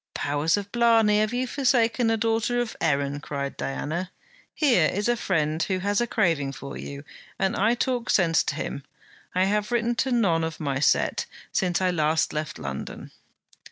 'Powers of blarney, have you forsaken a daughter of Erin?' cried Diana. 'Here is a friend who has a craving for you, and I talk sense to him. I have written to none of my set since I last left London.'